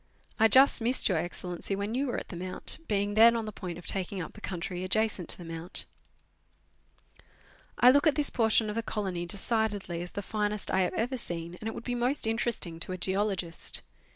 I just missed Your Excellency when you were at the Mount, being then on the point of taking up the country adjacent to the Mount. I look at this portion of the colony decidedly as the finest I have ever seen, and it would be most interesting to a geologist.